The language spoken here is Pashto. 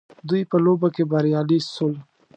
دوی په لوبه کي بريالي سول